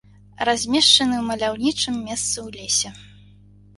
Размешчаны ў маляўнічым месцы ў лесе.